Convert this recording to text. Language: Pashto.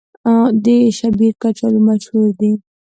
د شیبر کچالو مشهور دي